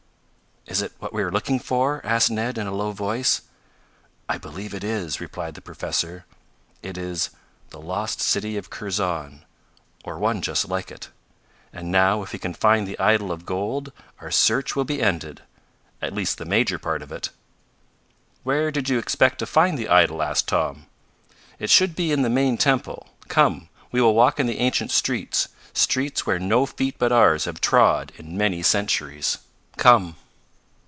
"Is it what we are looking for?" asked Ned in a low voice. "I believe it is," replied the professor. "It is the lost city of Kurzon, or one just like it. And now if we can find the idol of gold our search will be ended at least the major part of it." "Where did you expect to find the idol?" asked Tom. "It should be in the main temple. Come, we will walk in the ancient streets streets where no feet but ours have trod in many centuries. Come!"